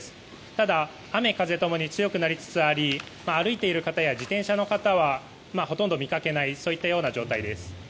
ただ、雨風共に強くなりつつあり歩いている方や自転車の方はほとんど見かけないそういったような状態です。